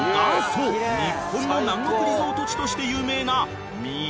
日本の南国リゾート地として有名な］